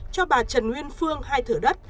cho bà trần nguyên phương hai thửa đất